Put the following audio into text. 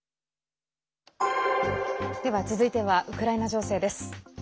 では続いてはウクライナ情勢です。